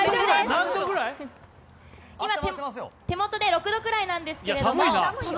大丈夫です、手元で６度くらいなんですけれども。